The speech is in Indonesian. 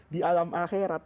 di alam akhirat